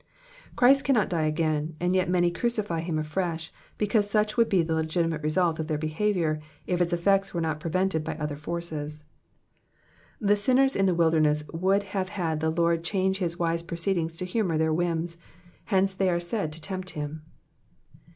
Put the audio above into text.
Christ cannot die again, and yet many crucify him afresh, because such would be the legitimate result of their behaviour if its effects were not prevented by other forces. The sinners m the wilderness would have had the Lord change his wise proceedings to humour their whims, hence they are said to tempt him.